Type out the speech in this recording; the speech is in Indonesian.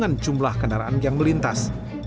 dengan jumlah kendaraan yang melintas